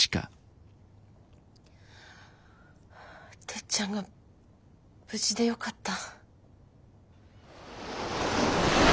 てっちゃんが無事でよかった。